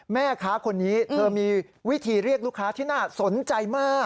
แม่ค้าคนนี้เธอมีวิธีเรียกลูกค้าที่น่าสนใจมาก